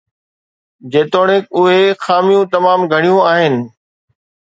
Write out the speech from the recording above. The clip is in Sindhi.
جيتوڻيڪ اهي خاميون تمام گهڻيون آهن